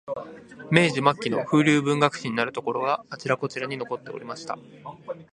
明治末期の風流文学史になるところが、あちらこちらに残っておりました